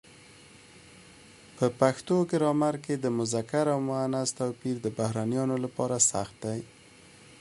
په پښتو ګرامر کې د مذکر او مونث توپیر د بهرنیانو لپاره سخت دی.